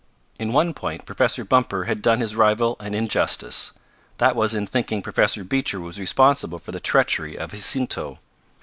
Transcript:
In one point Professor Bumper had done his rival an injustice. That was in thinking Professor Beecher was responsible for the treachery of Jacinto.